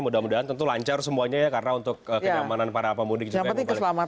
mudah mudahan tentu lancar semuanya ya karena untuk kenyamanan para pemudik juga